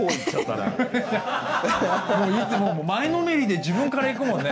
前のめりで自分からいくもんね。